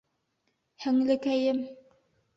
Һеңлекәйем!